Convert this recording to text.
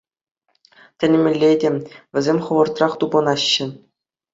Тӗлӗнмелле те -- вӗсем хӑвӑртах тупӑнаҫҫӗ.